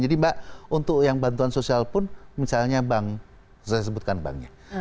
jadi mbak untuk yang bantuan sosial pun misalnya bank saya sebutkan banknya